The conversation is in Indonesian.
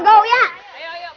ya kamu yang jadi musikant